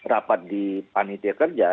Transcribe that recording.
rapat di panitia kerja